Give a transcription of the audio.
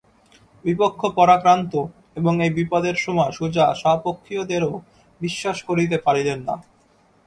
বিপক্ষ পরাক্রান্ত, এবং এই বিপদের সময় সুজা স্বপক্ষীয়দেরও বিশ্বাস করিতে পারিলেন না।